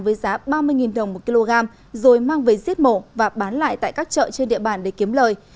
với giá ba mươi đồng một kg rồi mang về giết mổ và bán lại tại các chợ trên địa bàn để kiếm lời